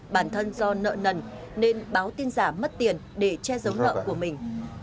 bản thân do nợ nần nên báo tin giả mất tiền để che giấu nợ của mình